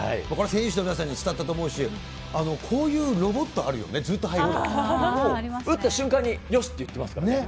これは選手の皆さんに伝わったと思うし、こういうロボットあるよね、打った瞬間に、よしって言ってましたから。